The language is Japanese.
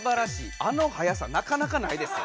あの早さなかなかないですよ。